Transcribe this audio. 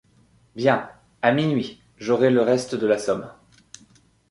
Bien. — À minuit! — J’aurai le reste de la somme.